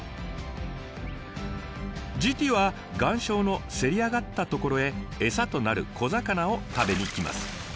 ＧＴは岩礁のせり上がった所へ餌となる小魚を食べに来ます。